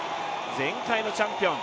前回のチャンピオン。